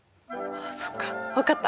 そっか分かった！